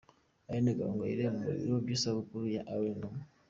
Aline Gahongayire mu birori by'isabukuru ya Alain Numa.